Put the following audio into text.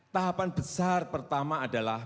tahapan besar pertama adalah